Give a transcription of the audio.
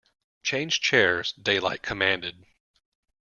Change chairs, Daylight commanded.